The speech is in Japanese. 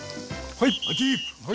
はい！